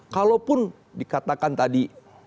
kalaupun dikatakan tadi